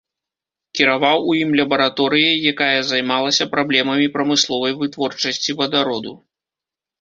Кіраваў у ім лябараторыяй, якая займалася праблемамі прамысловай вытворчасці вадароду.